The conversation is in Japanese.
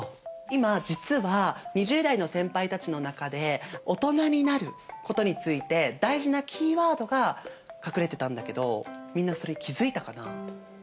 今実は２０代の先輩たちの中でオトナになることについて大事なキーワードが隠れてたんだけどみんなそれ気付いたかな？